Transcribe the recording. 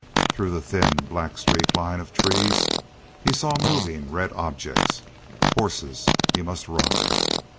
Through the thin, black streaked line of trees he saw moving red objects. Horses! He must run.